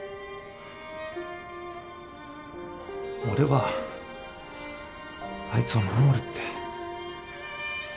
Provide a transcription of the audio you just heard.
俺はあいつを守るって。